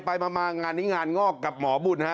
ไปมางานนี้งานงอกกับหมอบุญฮะ